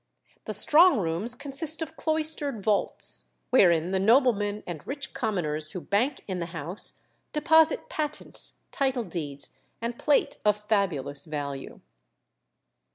The strong rooms consist of cloistered vaults, wherein the noblemen and rich commoners who bank in the house deposit patents, title deeds, and plate of fabulous value.